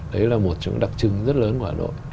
đấy là một trong đặc trưng rất lớn của hà nội